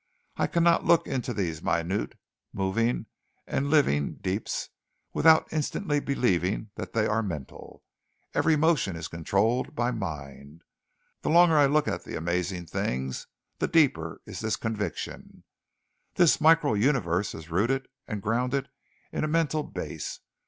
I cannot look into these minute moving and living deeps without instantly believing that they are mental every motion is controlled by mind. The longer I look at the amazing things, the deeper is this conviction. This micro universe is rooted and grounded in a mental base.